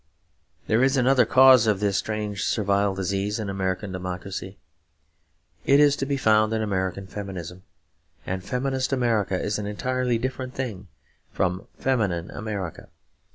There is another cause of this strange servile disease in American democracy. It is to be found in American feminism, and feminist America is an entirely different thing from feminine America.